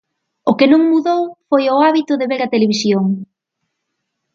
O que non mudou foi o hábito de ver a televisión.